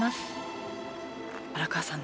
荒川さん